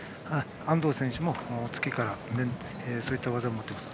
安藤選手も、突きからそういった技を持っていて。